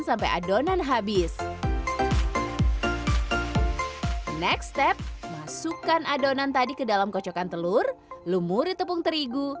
sampai adonan habis next step masukkan adonan tadi ke dalam kocokan telur lumuri tepung terigu